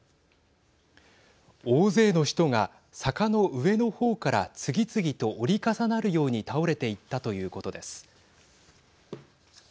大勢の人が坂の上の方から次々と折り重なるように倒れていったということです。